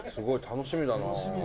楽しみだな。